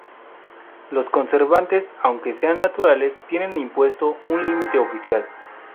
Los conservantes, aunque sean naturales, tienen impuesto un límite oficial.